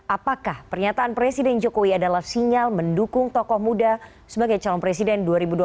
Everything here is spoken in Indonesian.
apakah pernyataan presiden jokowi adalah sinyal mendukung tokoh muda sebagai calon presiden dua ribu dua puluh empat